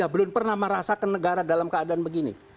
belum pernah merasakan negara dalam keadaan begini